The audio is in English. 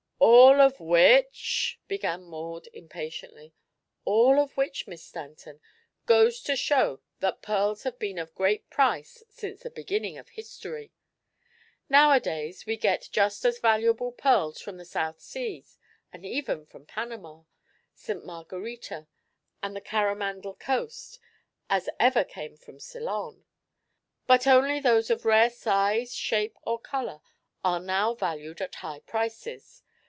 "All of which " began Maud, impatiently. "All of which, Miss Stanton, goes to show that pearls have been of great price since the beginning of history. Nowadays we get just as valuable pearls from the South Seas, and even from Panama, St. Margarita and the Caromandel Coast, as ever came from Ceylon. But only those of rare size, shape or color are now valued at high prices.